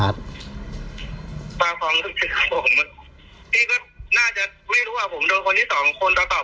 ตามความรู้สึกของผม